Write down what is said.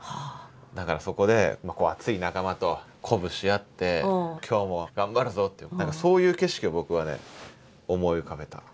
だからそこで熱い仲間と鼓舞し合って今日も頑張るぞっていう何かそういう景色を僕はね思い浮かべた。